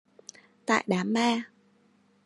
Tại Đám ma